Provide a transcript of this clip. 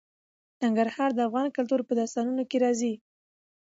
ننګرهار د افغان کلتور په داستانونو کې راځي.